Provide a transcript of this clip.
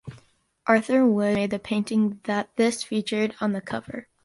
Arthur Wood made the painting that is featured on the cover.